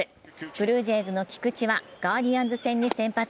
ブルージェイズの菊池はガーディアンズ戦に先発。